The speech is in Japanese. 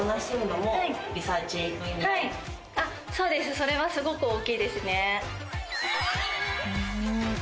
それはすごく大きいですね。